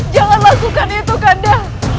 jangan lakukan itu kanda